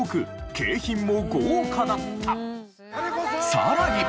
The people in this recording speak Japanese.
さらに。